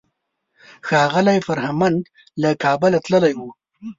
ښاغلی فرهمند له کابله تللی و.